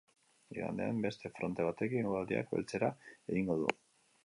Igandean beste fronte batekin eguraldiak beltzera egingo du.